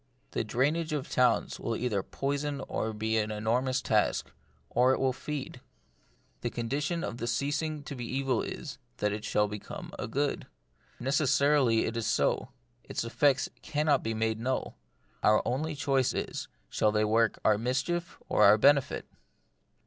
The drainage of towns will either poison or be an enormous tax, or it will feed. The condition of its ceasing to be an evil is, that it shall become a good. Necessarily it is so : its effects cannot be made 86 The Mystery of Pain, null ; our only choice is, shall they work our mischief or our benefit